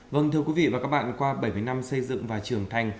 vâng thưa quý vị và các bạn qua bảy mươi năm xây dựng và trưởng thành